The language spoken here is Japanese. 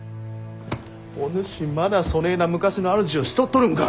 お主まだそねえな昔の主を慕っとるんか。